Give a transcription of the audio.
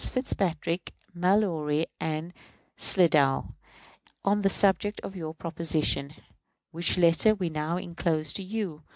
Fitzpatrick, Mallory, and Slidell, on the subject of our proposition, which letter we now inclose to you.